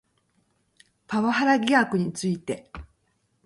パワハラ疑惑について